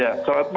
ya selamat malam